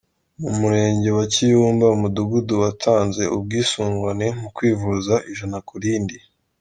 Mu Murenge wa Kiyumba Umudugudu watanze ubwisungwane mu kwivuza Ijana Kurindi